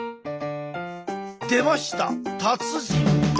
出ました達人！